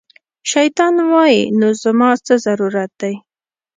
شیطان وایي، نو زما څه ضرورت دی